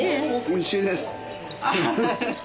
おいしいです。